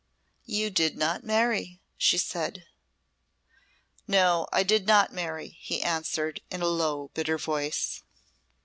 "You did not marry," she said. "No, I did not marry," he answered, in a low, bitter voice.